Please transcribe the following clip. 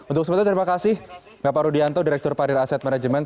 untuk sebetulnya terima kasih pak rudianto direktur parir asset management